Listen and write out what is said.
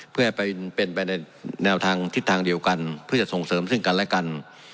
เพื่อให้เป็นไปในแนวทางทิศทางเดียวกันเพื่อจะส่งเสริมซึ่งกันและกัน